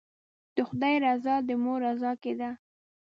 د خدای رضا د مور رضا کې ده.